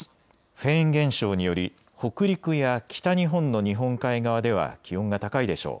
フェーン現象により北陸や北日本の日本海側では気温が高いでしょう。